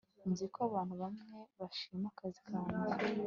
Nzi ko abantu bamwe bashima akazi kanjye